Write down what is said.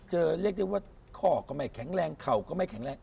เรียกได้ว่าข้อก็ไม่แข็งแรงเข่าก็ไม่แข็งแรง